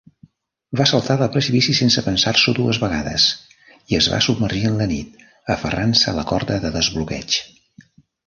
Va saltar del precipici sense pensar-s'ho dues vegades i es va submergir en la nit, aferrant-se a la corda de desbloqueig.